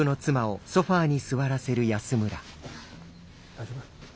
大丈夫？